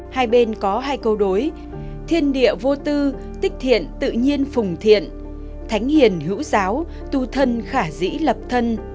hai bên có hai câu đối thiên địa vô tư tích thiện tự nhiên phùng thiện thánh hiền hữu giáo tu thân khả dĩ lập thân